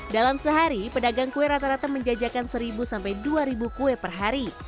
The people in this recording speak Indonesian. dalam sehari pedagang kue rata rata menjajakan seribu sampai dua ribu kue per hari